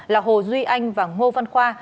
là hồ duy anh và ngô văn khoa